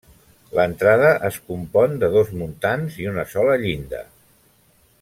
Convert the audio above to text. L'entrada es compon de dos muntants i una sola llinda.